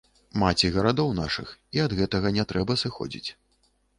Маці гарадоў нашых, і ад гэтага не трэба сыходзіць.